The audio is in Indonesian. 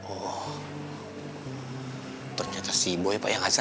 oh ternyata si boy pak yang azan